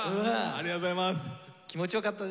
ありがとうございます。